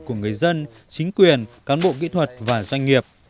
của người dân chính quyền cán bộ kỹ thuật và doanh nghiệp